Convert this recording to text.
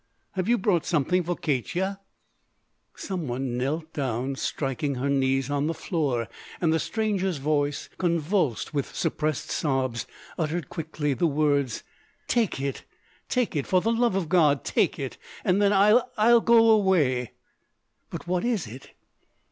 Have you brought something for Katya?" Some one knelt down, striking her knees on the floor, and the stranger's voice, convulsed with suppressed sobs, uttered quickly the words: "Take it, take it! For the love of God, take it! And then I—I'll go away." "But what is it?"